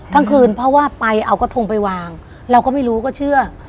ทั้งคืนเพราะว่าไปเอากระทงไปวางเราก็ไม่รู้ก็เชื่อ